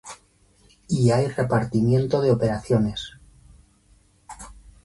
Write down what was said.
Y hay repartimiento de operaciones;